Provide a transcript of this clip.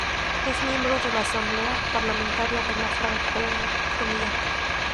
Es miembro de la Asamblea parlamentaria de la Francofonía.